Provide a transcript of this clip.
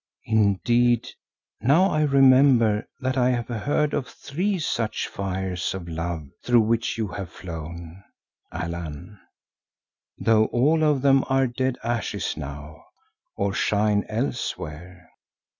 Indeed, now I remember that I have heard of three such fires of love through which you have flown, Allan, though all of them are dead ashes now, or shine elsewhere.